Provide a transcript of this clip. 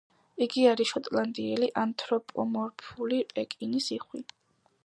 იგი არის შოტლანდიელი, ანთროპომორფული პეკინის იხვი.